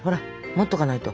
持っとかないと。